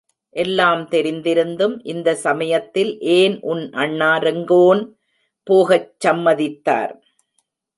எல்லாம் தெரிந்திருந்தும் இந்தச் சமயத்தில் ஏன் உன் அண்ணா ரெங்கோன் போகச் சம்மதித்தார்.